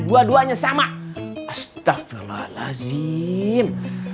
dua duanya sama astagfirullahaladzim